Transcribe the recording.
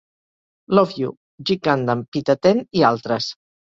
"Love You", "G Gundam", "Pita-Ten" i altres.